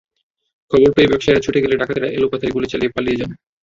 খবর পেয়ে ব্যবসায়ীরা ছুটে গেলে ডাকাতেরা এলোপাথারি গুলি চালিয়ে পালিয়ে যান।